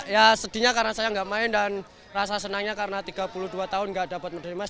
ya sedihnya karena saya nggak main dan rasa senangnya karena tiga puluh dua tahun gak dapat medali emas